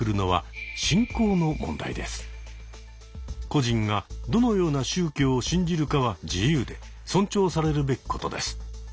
個人がどのような宗教を信じるかは自由で尊重されるべきことです。